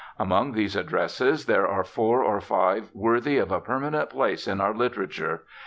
Among these addresses there are four or five worthy of a per manent place in our literature.